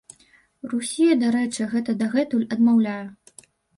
Расія, дарэчы, гэта дагэтуль адмаўляе.